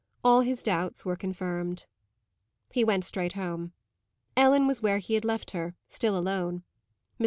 All his doubts were confirmed. He went straight home. Ellen was where he had left her, still alone. Mr.